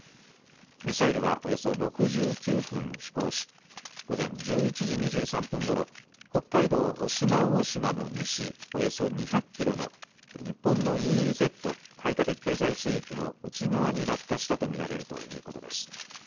ミサイルはおよそ６９分飛行し午前１１時２３分ごろ北海道渡島大島の西およそ２００キロの日本のＥＥＺ・排他的経済水域の内側に落下したと見られるということです。